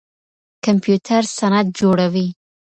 کمپيوټر سند جوړوي.